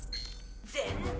全然！